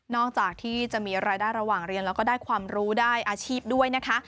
อกจากที่จะมีรายได้ระหว่างเรียนแล้วก็ได้ความรู้ได้อาชีพด้วยนะคะ